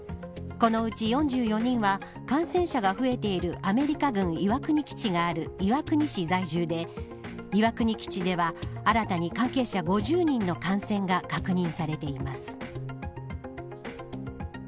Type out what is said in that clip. このうち４４人は感染者が増えているアメリカ軍岩国基地がある岩国市在住で岩国基地では、新たに関係者５０人の感染が確認されています。